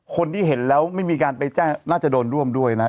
คนที่เห็นแล้วไม่มีการไปแจ้งน่าจะโดนร่วมด้วยนะ